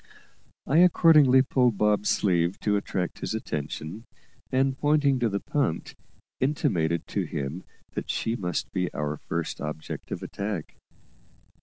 I accordingly pulled Bob's sleeve to attract his attention, and, pointing to the punt, intimated to him that she must be our first object of attack.